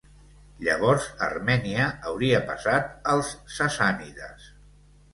Llavors Armènia hauria passat als sassànides.